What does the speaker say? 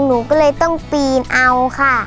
หนูก็เลยต้องปีนเอาค่ะ